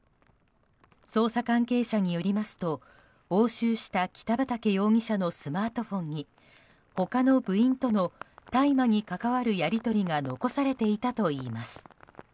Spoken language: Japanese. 捜査関係者によりますと押収した北畠容疑者のスマートフォンに、他の部員との大麻に関わるやり取りが残されていたといいます。